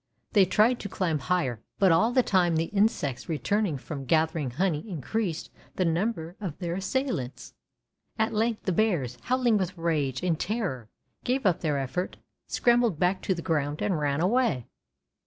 They tried to climb higher, but all the time the insects returning from gathering honey in creased the number of their assailants. At length the bears, howling with rage and ter ror, gave up their effort, scrambled back to the ground, and ran away.